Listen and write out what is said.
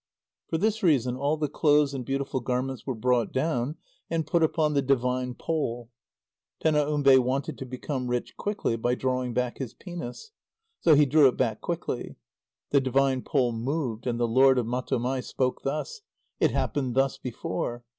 For this reason, all the clothes and beautiful garments were brought down, and put upon the divine pole. Penaumbe wanted to become rich quickly by drawing back his penis. So he drew it back quickly. The divine pole moved, and the lord of Matomai spoke thus: "It happened thus before.